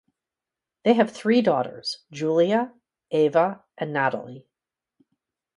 They have three daughters: Julia, Ava, and Natalie.